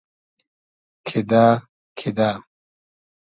کیدۂ کیدۂ